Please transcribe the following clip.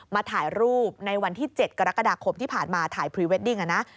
ถ่ายรูปในวันที่๗กรกฎาคมที่ผ่านมาถ่ายพรีเวดดิ้งนะ